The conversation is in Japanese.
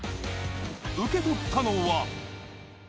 受け取ったのは。